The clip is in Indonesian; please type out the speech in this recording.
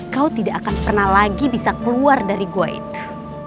kau tidak akan pernah lagi bisa keluar dari rumahmu